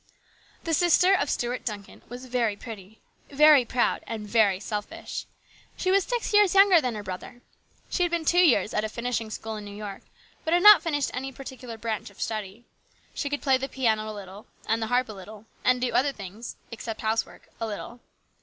The sister of Stuart Duncan was very pretty, very proud, and very selfish. She was six years younger THE GREAT STRIKE. 21 than her brother. She had been two years at a finishing school in New York, but had not finished any particular branch of study. She could play the piano a little, and the harp a little, and do other things, except housework, a little.